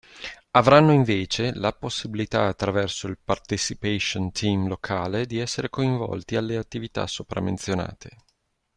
Avranno, invece, la possibilità, attraverso il participation team locale, di esser coinvolti alle attività sopra menzionate.